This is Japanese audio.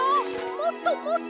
もっともっと！